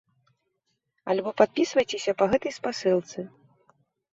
Альбо падпісвайцеся па гэтай спасылцы.